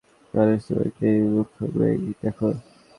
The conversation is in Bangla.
মানুষ তোমাকে এই মুখায়বেই দেখে।